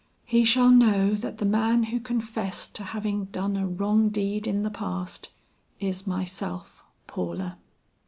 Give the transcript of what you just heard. "He shall know that the man who confessed to having done a wrong deed in the past, is myself, Paula."